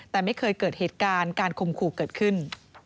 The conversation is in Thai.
แต่ไม่เคยเกิดเหตุการณ์การคมขู่เกิดขึ้น